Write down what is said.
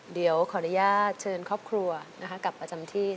เดี๋ยวขออนุญาตเชิญครอบครัวกลับประจำที่